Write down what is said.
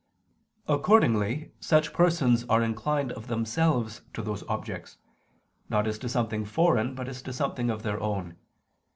Accordingly such persons are inclined of themselves to those objects, not as to something foreign but as to something of their own.